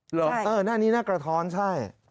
หน้านี้หน้ากระท้อนใช่